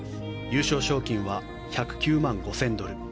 優勝賞金は１０９万５０００ドル